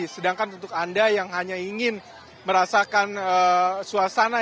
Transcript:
sedangkan untuk anda yang hanya ingin merasakan suasana